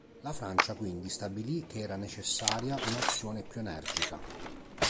La Francia quindi stabilì che era necessaria un'azione più energica.